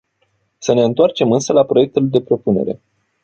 Să ne întoarcem însă la proiectul de propunere.